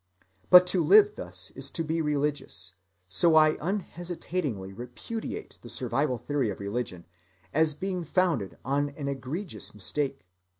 But to live thus is to be religious; so I unhesitatingly repudiate the survival‐theory of religion, as being founded on an egregious mistake.